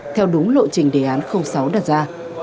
theo đúng lộ trình đề án sáu đặt ra